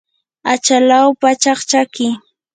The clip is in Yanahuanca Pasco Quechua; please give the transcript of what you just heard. achalaw pachak chaki.